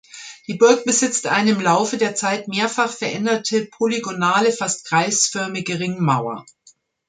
Die Burg besitzt eine im Laufe der Zeit mehrfach veränderte polygonale, fast kreisförmige Ringmauer.